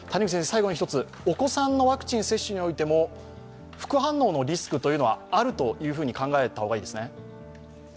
最後に１つ、お子さんのワクチン接種についても副反応のリスクはあると考えた方がいいですね？